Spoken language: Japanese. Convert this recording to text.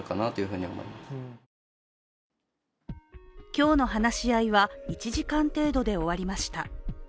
今日の話し合いは、１時間程度で終わりました。